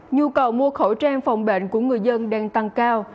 nhu cầu mua khẩu trang phòng bệnh của người dân đang tăng cao